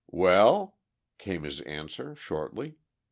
"Well," came his answer shortly.